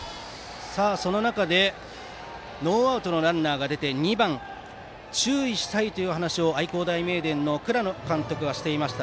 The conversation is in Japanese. その中でノーアウトのランナーが出て２番、注意したいという話を愛工大名電の倉野監督がしていました